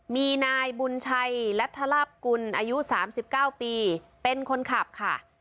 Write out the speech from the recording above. มีนายบุญชัยและทะลับกุลอายุสามสิบเก้าปีเป็นคนขับค่ะ